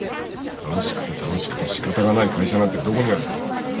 楽しくて楽しくてしかたがない会社なんてどこにある。